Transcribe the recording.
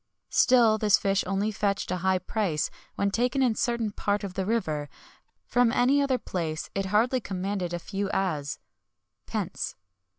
Still this fish only fetched a high price when taken in a certain part of the river; from any other place it hardly commanded a few as (pence).